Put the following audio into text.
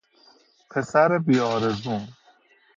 پسر بیآزرم